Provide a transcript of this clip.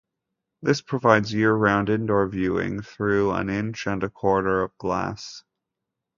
This provides year-round, indoor viewing through an inch-and-a-quarter of glass.